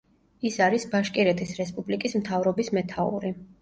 ის არის ბაშკირეთის რესპუბლიკის მთავრობის მეთაური.